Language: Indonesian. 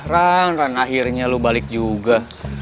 rang rang akhirnya lo balik juga